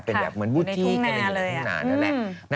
เป็นอย่างเหมือนวุฒิกันในทุ่งนานแล้วแหละ